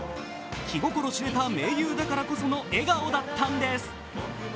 気心知れた盟友だからこその笑顔だったんです。